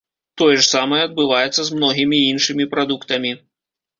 Тое ж самае адбываецца з многімі іншымі прадуктамі.